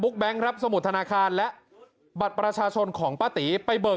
แก๊งรับสมุดธนาคารและบัตรประชาชนของป้าตีไปเบิก